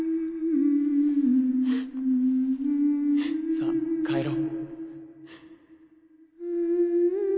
さぁ帰ろう。